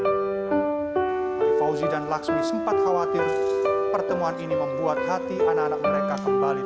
wali hozi dan laxmi sempat khawatir pertemuan ini membuat hati anak anak mereka kembali terluka